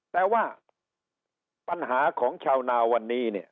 แต่ว่าปัญหาของชาวนาวันนี้เนี่ย